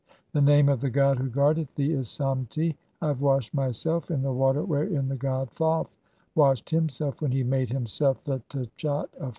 The name of the "god who guardeth thee is Samti. I have washed myself in the "water wherein the god Thoth washed himself when he made "himself the tchat of Horus.